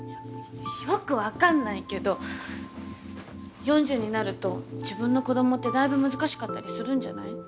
よく分かんないけど４０になると自分の子供ってだいぶ難しかったりするんじゃない？